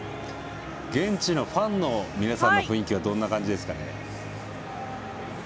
現地のファンの皆さんの雰囲気はどんな感じですかね？